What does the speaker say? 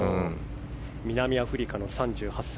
南アフリカの３８歳。